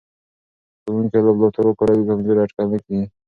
که ښوونکی لابراتوار وکاروي، کمزوری اټکل نه کېږي.